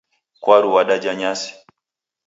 Kwaru w'adaja nyasi.